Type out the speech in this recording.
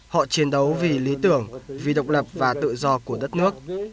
họ chiến đấu vì lý tưởng vì độc lập và tự do của đất nước